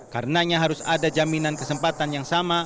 karenanya harus ada jaminan kesempatan yang sama